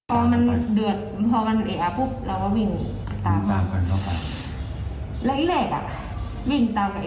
รับข้อคุยสามี